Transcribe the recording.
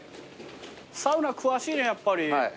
サウナ詳しいねやっぱり。